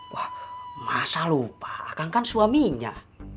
wah masa lupa kang kan suaminya